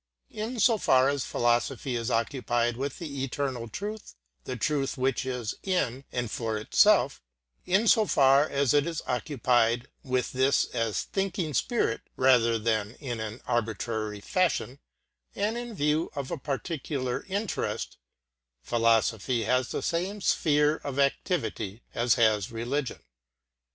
In so far as philosophy is occupied with the eternal truth, the truth which is in and for itself; in so far as it is occupied with this as thinking spirit, rather than in [pg 139]an arbitrary fashion and in view of a particular interest, philosophy has the same sphere of activity as has religion.